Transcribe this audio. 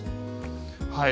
はい。